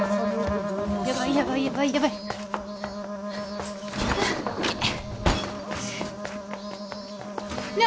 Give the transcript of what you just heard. やばいやばいやばいやばいねえ